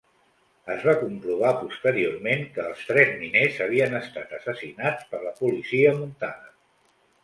Es va comprovar posteriorment que els tres miners havien estat assassinats per la Policia Muntada.